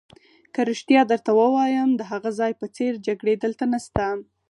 که رښتیا درته ووایم، د هغه ځای په څېر جګړې دلته نشته.